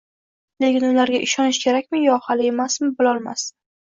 Lekin ularga ishonish kerakmi yo hali ertami – bilolmasdi.